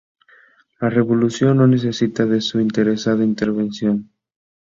La revolución no necesita de su interesada intervención.